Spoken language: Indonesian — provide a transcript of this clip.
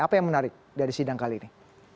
apa yang menarik dari sidang kali ini